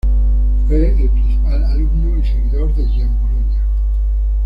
Fue el principal alumno y seguidor de Giambologna.